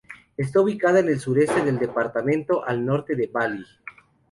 Está ubicada en el sureste del departamento, al norte de Belley.